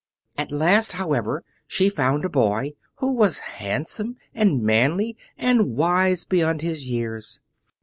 At last, however, she found a boy who was handsome and manly and wise beyond his years.